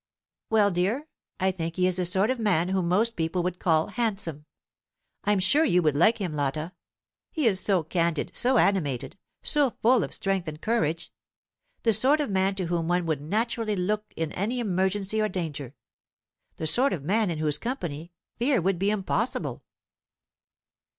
"Well, dear, I think he is the sort of man whom most people would call handsome. I'm sure you would like him, Lotta. He is so candid, so animated, so full of strength and courage. The sort of man to whom one would naturally look in any emergency or danger; the sort of man in whose company fear would be impossible."